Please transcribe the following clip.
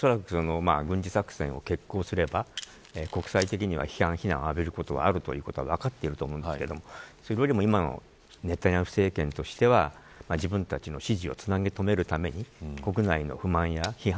軍事作戦を決行すれば国際的には非難を浴びることはあるということは分かっていると思うんですけどそれよりも今のネタニヤフ政権としては自分たちの支持をつなぎとめるために国内の不満や批判